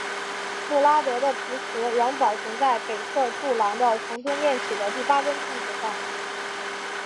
穆拉德的题词仍保存在北侧柱廊的从东面起的第八根柱子上。